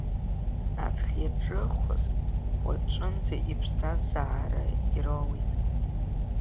Аҵх иаҿыхәаз, уаҵәынӡа иԥсҭазаара ироуит.